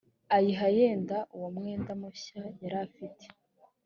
ahiya yenda uwo mwenda mushya yari afite